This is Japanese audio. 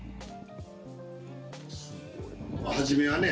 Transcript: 初めはね